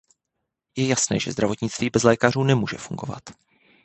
Je jasné, že zdravotnictví bez lékařů nemůže fungovat.